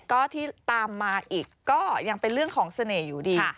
ก็ที่ตามมาอีกก็ยังเป็นเรื่องของเสน่ห์อยู่ดี